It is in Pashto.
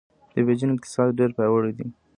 د بېجینګ اقتصاد ډېر پیاوړی دی.